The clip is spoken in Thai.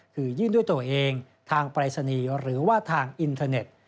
คือยื่นด้วยตัวเองทางปรายศนีย์หรือว่าทางอินเทอร์เน็ต